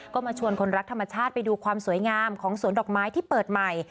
ก็มาชวนคนรักธรรมชาติไปดูความสวยงามของสวนดอกไม้ที่เปิดใหม่